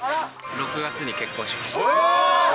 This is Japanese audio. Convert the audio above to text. ６月に結婚しました。